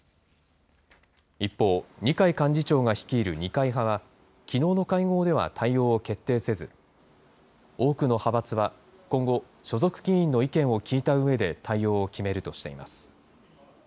一方、二階幹事長が率いる二階派は、きのうの会合では対応を決定せず、多くの派閥は今後、所属議員の意見を聞いたうえで、対応を決めるとしています。